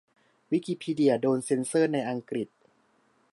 วิกิพีเดียโดนเซนเซอร์ในอังกฤษ